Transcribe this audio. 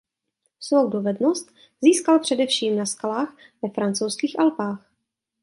Svou dovednost získal především na skalách ve Francouzských Alpách.